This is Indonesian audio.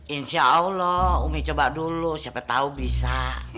insya allah umi coba dulu siapa tahu bisa